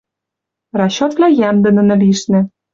Расчетвлӓ йӓмдӹ нӹнӹ лишнӹ.